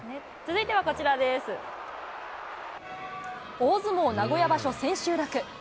大相撲名古屋場所千秋楽。